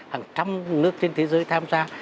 hàng trăm nước trên thế giới tham gia